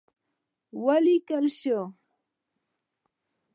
وليکل شول: